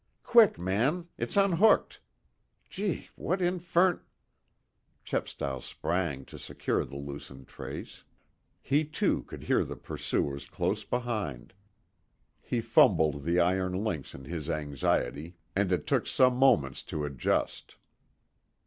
"Quick, man! It's unhooked! Gee! What infern " Chepstow sprang to secure the loosened trace. He, too, could hear the pursuers close behind. He fumbled the iron links in his anxiety, and it took some moments to adjust.